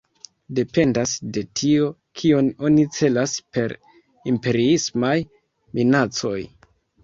Dependas de tio, kion oni celas per “imperiismaj minacoj”.